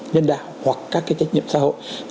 nhân đạo hoặc các cái trách nhiệm xã hội